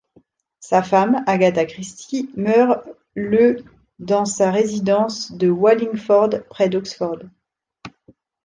Sa femme, Agatha Christie, meurt le dans sa résidence de Wallingford, près d'Oxford.